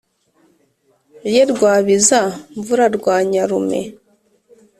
ye rwabiza-mvura rwa nyarume,